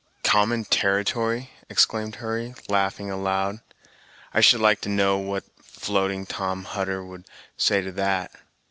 "Common territory" exclaimed Hurry, laughing aloud. "I should like to know what Floating Tom Hutter would say to that!